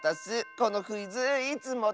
このクイズいつもたのしいね。